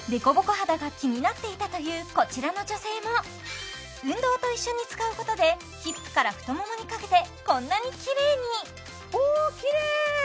肌が気になっていたというこちらの女性も運動と一緒に使うことでヒップから太ももにかけてこんなにキレイにおおキレイ！